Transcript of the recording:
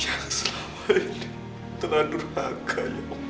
yang selalu ini telah durhaka yang